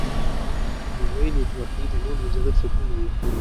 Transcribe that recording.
• د زوی نېکبختي د مور د زړۀ سکون وي.